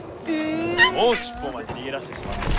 もう尻尾を巻いて逃げ出してしまうんですか？